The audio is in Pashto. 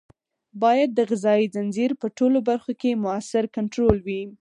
باید د غذایي ځنځیر په ټولو برخو کې مؤثر کنټرول وي.